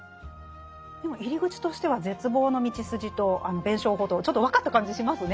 でも入り口としては絶望のみちすじとあの弁証法とちょっと分かった感じしますね。